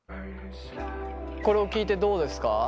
これを聞いてどうですか？